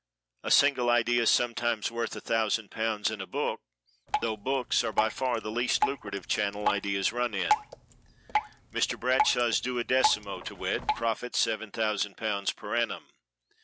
A single idea is sometimes worth a thousand pounds in a book, though books are by far the least lucrative channels ideas run in; Mr. Bradshaw's duodecimo, to wit profit seven thousand pounds per annum.